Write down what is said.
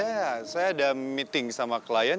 iya saya ada meeting sama klien